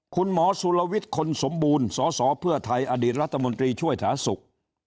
คุณหมอสุรวิทย์คนสมบูรณ์สอสอเพื่อไทยอดีตรัฐมนตรีช่วยถาสุข